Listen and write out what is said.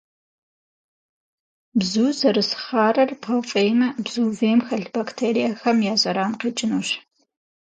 Бзур зэрыс хъарыр бгъэфӏеймэ, бзу вейм хэлъ бактериехэм я зэран къекӏынущ.